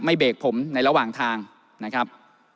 เบรกผมในระหว่างทางนะครับ